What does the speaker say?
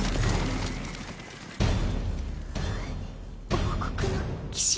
王国の騎士。